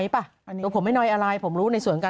ป่าโทษค่ะ